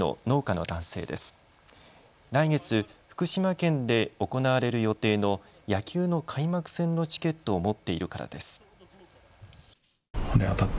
来月、福島県で行われる予定の野球の開幕戦のチケットを持っているからです。